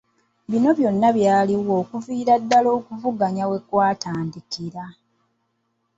Bino byonna byaliwo okuviira ddala okuvuganya we kwatandikira.